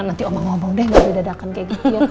nanti omong ngomong deh gak ada dadakan kayak gitu